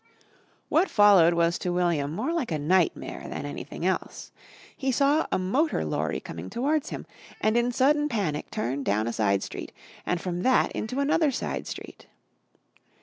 What followed was to William more like a nightmare than anything else. He saw a motor lorry coming towards him and in sudden panic turned down a side street and from that into another side street.